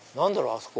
あそこ。